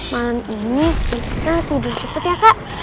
malam ini kita tidur cepet ya kak